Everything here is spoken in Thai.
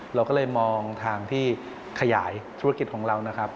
เราก็เลยมองทางที่ขยายธุรกิจของเรานะครับ